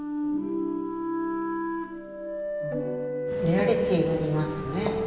リアリティーがありますね。